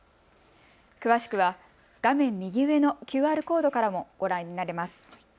詳しくは画面右上のＱＲコードからもご覧になれます。